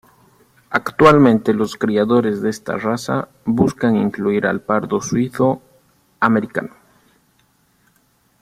Actualmente los criadores de esta raza buscan incluir al pardo suizo-americano.